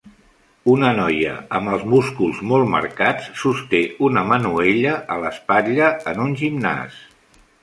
Una noia amb els músculs molt marcats sosté una manuella a l'espatlla en un gimnàs.